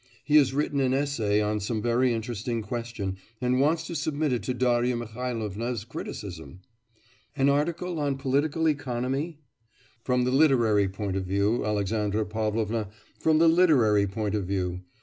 He has written an essay on some very interesting question, and wants to submit it to Darya Mihailovna's criticism.' 'An article on political economy?' 'From the literary point of view, Alexandra Pavlovna, from the literary point of view.